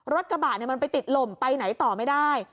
รถกระบะมันไปติดลมไปไหนต่อไม่ได้